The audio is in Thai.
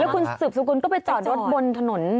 คุณสืบสกุลก็ไปจอดรถบนถนน